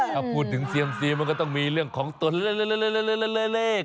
ถ้าพูดถึงเซียมซีมันก็ต้องมีเรื่องของตนเล่น